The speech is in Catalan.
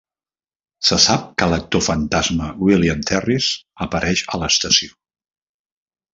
Se sap que l'actor fantasma William Terriss apareix a l'estació.